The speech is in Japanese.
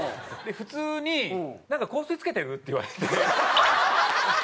普通に「なんか香水つけてる？」って言われて。